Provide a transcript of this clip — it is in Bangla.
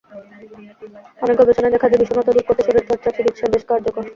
অনেক গবেষণায় দেখা যায়, বিষণ্নতা দূর করতে শরীরচর্চার চিকিৎসা বেশ কার্যকর।